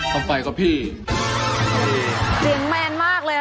อย่างงี้หัวใจสลายเลย